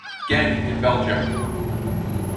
Genk in Belgium.